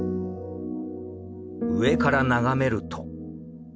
上から眺めると。